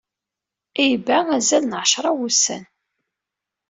Iba azal n ɛecṛa n wussan.